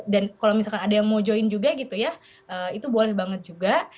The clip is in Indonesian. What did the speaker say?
dan kalau misalkan ada yang mau join juga gitu ya itu boleh banget juga